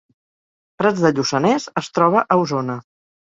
Prats de Lluçanès es troba a Osona